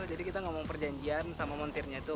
jadi kita ngomong perjanjian sama montirnya tuh